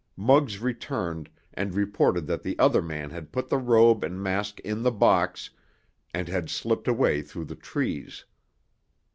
Muggs returned and reported that the other man had put the robe and mask in the box, and had slipped away through the trees.